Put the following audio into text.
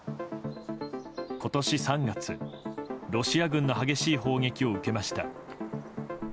今年３月、ロシア軍の激しい攻撃を受けました。